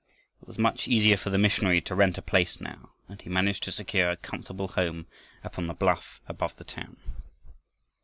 It was much easier for the missionary to rent a place now, and he managed to secure a comfortable home upon the bluff above the town.